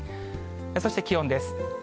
そして気温です。